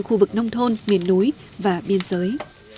khu vực nông thôn miền núi và biên giới